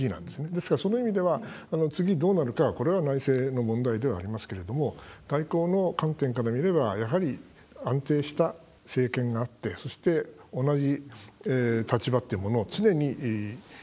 ですから、その意味では次、どうなるかは、これは内政の問題ではありますけれども外交の観点から見ればやはり、安定した政権があってそして、同じ立場というものを常に繰り返し、繰り返し